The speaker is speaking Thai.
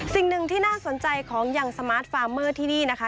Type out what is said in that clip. สิ่งหนึ่งที่น่าสนใจของยังสมาร์ทฟาร์เมอร์ที่นี่นะคะ